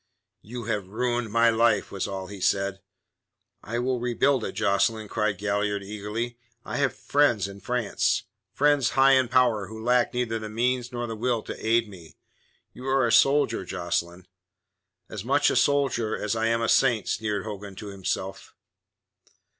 "You have ruined my life," was all he said. "I will rebuild it, Jocelyn," cried Galliard eagerly. "I have friends in France friends high in power who lack neither the means nor the will to aid me. You are a soldier, Jocelyn." "As much a soldier as I'm a saint," sneered Hogan to himself.